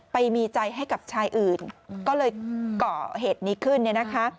ไปมีใจให้กับชายอื่นก็เลยเกาะเหตุนี้ขึ้น